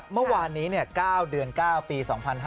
เมื่อวานนี้๙เดือน๙ปี๒๕๕๙